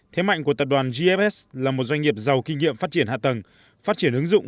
thế mạnh của tập đoàn gfs là một doanh nghiệp giàu kinh nghiệm phát triển hạ tầng phát triển ứng dụng